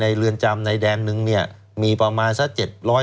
ในเรือนจำในแดมหนึ่งนี่มีประมาณศาสตร์เจ็ดร้อย